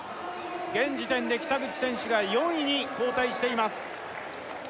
現時点で北口選手が４位に後退しています